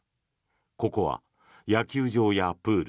ここは野球場やプール